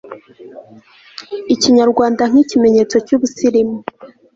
ikinyarwanda nk'ikimenyetso cy'ubusirimu